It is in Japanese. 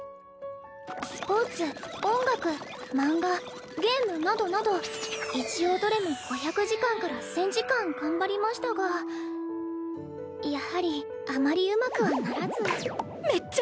スポーツ音楽漫画ゲームなどなど一応どれも５００時間から１０００時間頑張りましたがやはりあまりうまくはならず。